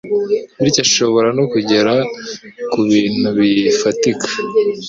bityo ashobora no kugera kubintu bifatika